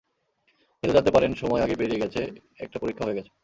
কিন্তু জানতে পারেন সময় আগেই পেরিয়ে গেছে, একটা পরীক্ষাও হয়ে গেছে।